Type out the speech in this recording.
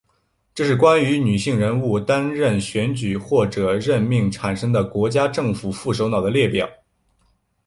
这是关于女性人物担任选举或者任命产生的国家政府副首脑的列表。